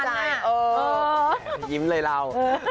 ยิ้มเลยเรา